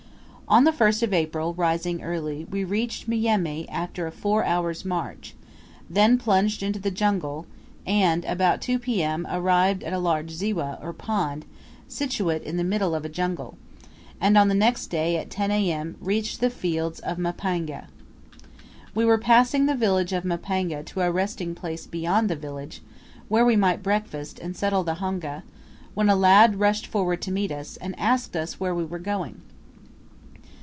On the 1st of April, rising early, we reached Myumi after a four hours' march; then plunged into the jungle, and, about 2 P.M. arrived at a large ziwa, or pond, situate in the middle of a jungle; and on the next day, at 10 A.M., reached the fields of Mapanga. We were passing the village of Mapanga to a resting place beyond the village, where we might breakfast and settle the honga, when a lad rushed forward to meet us, and asked us where we were going.